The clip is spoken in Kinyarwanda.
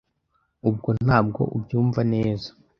ubwo ntabwo ubyumva neza